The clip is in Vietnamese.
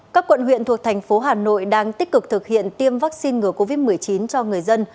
các quận huyện thuộc thành phố hà nội đang tích cực thực hiện tiêm vaccine ngừa covid một mươi chín cho người dân